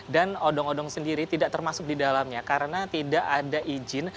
dan odong odong sendiri tidak termasuk didalamnya karena tidak ada izin